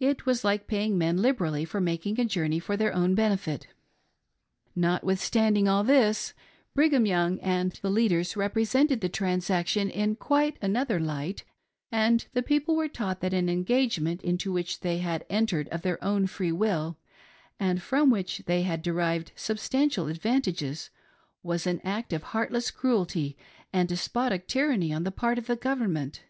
It was like paying men liberally for making a journey for their own benefit. Notwithstanding all this, Brigham Young and the leaders represented the transaction in quite another "light, and the people were taught that an engagement, into which they had entered of their own free will, and from which they had derived substantial advantages, was an act of heartless cruelty and despotic tyranny on the part of the Government.